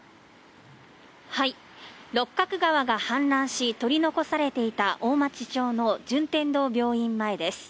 六角川が氾濫し取り残されていた大町町の順天堂病院前です。